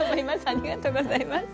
ありがとうございます。